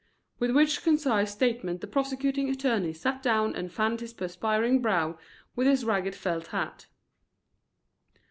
With which concise statement the prosecuting attorney sat down and fanned his perspiring brow with his ragged felt hat.